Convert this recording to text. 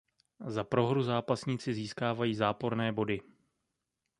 Za prohru zápasníci získávají záporné body.